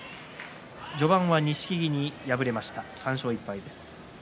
序盤は錦木に敗れました３勝１敗です。